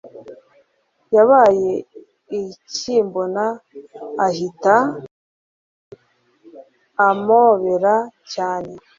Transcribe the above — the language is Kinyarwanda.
Yabaye akimbona ahita amobera cyane